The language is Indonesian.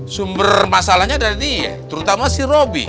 sumber masalahnya dari dia terutama si robby